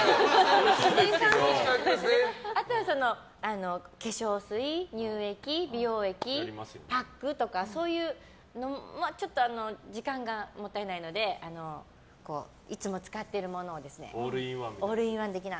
あとは化粧水、乳液、美容液パックとか、そういうのもちょっと時間がもったいないのでいつも使ってるものをオールインワン的な。